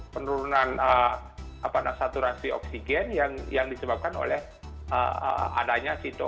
penurunan saturasi oksigen yang disebabkan oleh adanya sitok